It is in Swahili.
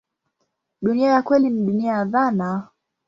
Dunia ya kweli ni dunia ya dhana.